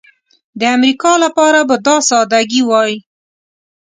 د امریکا لپاره به دا سادګي وای.